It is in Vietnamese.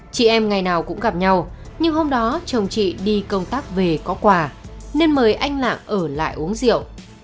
chị em ngày nào cũng gặp nhau nhưng hôm đó chồng chị đi công tác về có quà nên mời anh lạng ở lại uống rượu